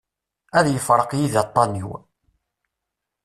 Ad yefreq yid-i aṭṭan-iw.